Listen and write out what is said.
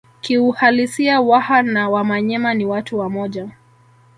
Kiuhalisia Waha na Wamanyema ni watu wamoja